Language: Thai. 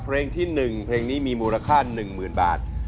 เพลงที่๑เพลงนี้มีมูลค่า๑๐๐๐บาท